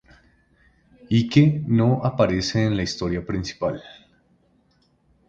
Ike no aparece en la historia principal.